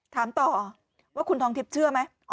ถามต่อว่าคุณทองทิพย์เชื่อไหม